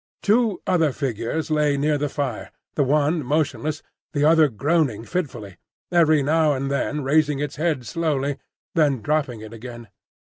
Two other figures lay near the fire,—the one motionless, the other groaning fitfully, every now and then raising its head slowly, then dropping it again.